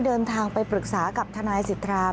เดินทางไปปรึกษากับทนายสิทธา